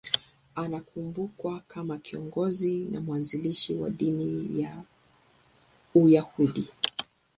Anakumbukwa kama kiongozi na mwanzilishi wa dini ya Uyahudi.